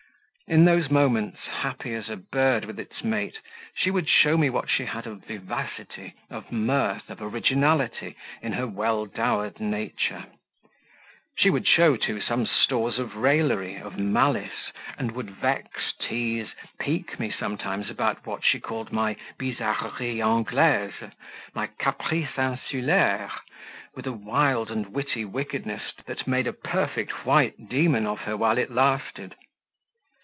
In those moments, happy as a bird with its mate, she would show me what she had of vivacity, of mirth, of originality in her well dowered nature. She would show, too, some stores of raillery, of "malice," and would vex, tease, pique me sometimes about what she called my "bizarreries anglaises," my "caprices insulaires," with a wild and witty wickedness that made a perfect white demon of her while it lasted.